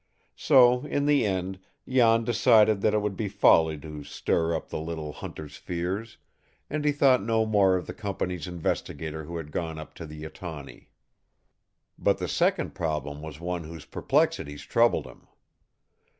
So in the end Jan decided that it would be folly to stir up the little hunter's fears, and he thought no more of the company's investigator who had gone up to the Etawney. But the second problem was one whose perplexities troubled him.